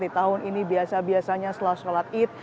di tahun ini biasa biasanya setelah sholat id